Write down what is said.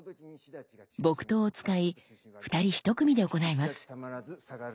木刀を使い二人一組で行います。